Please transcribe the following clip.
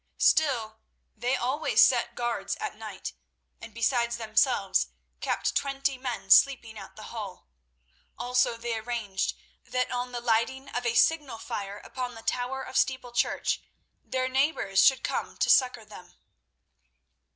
Still, they always set guards at night, and, besides themselves, kept twenty men sleeping at the Hall. Also they arranged that on the lighting of a signal fire upon the tower of Steeple Church their neighbours should come to succour them.